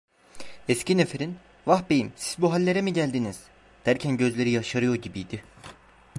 Eski neferin: "Vah beyim, siz bu hallere mi geldiniz!" derken gözleri yaşarıyor gibiydi.